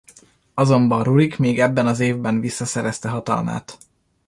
Azonban Rurik még ebben az évben visszaszerezte hatalmát.